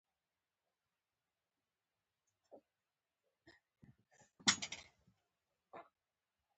پاکستان د افغانستان او اسلام دوښمن دی